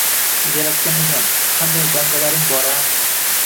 Yaratgan egam, qanday bandalaring bor-a